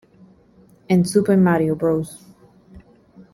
En Super Mario Bros.